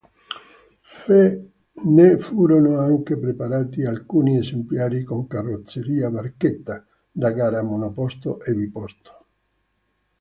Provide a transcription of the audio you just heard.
Ne furono anche preparati alcuni esemplari con carrozzeria "barchetta" da gara, monoposto e biposto.